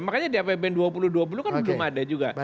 makanya di apbn dua ribu dua puluh kan belum ada juga